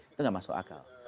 itu enggak masuk akal